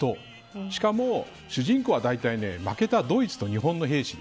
しかも主人公はだいたい負けたドイツと日本の兵士で。